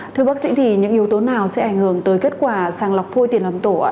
thưa bác sĩ những yếu tố nào sẽ ảnh hưởng tới kết quả sàng lọc phôi tiền làm tổ